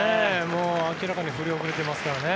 明らかに振り遅れていますからね。